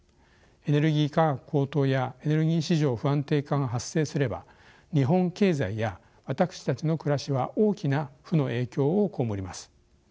エネルギー価格高騰やエネルギー市場不安定化が発生すれば日本経済や私たちの暮らしは大きな負の影響を被ります。